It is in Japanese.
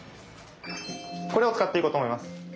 これを使っていこうと思います。